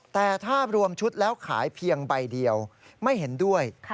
แต่ถ้ารวมชุดแล้วขายเพียงใบเดียวไม่เห็นด้วย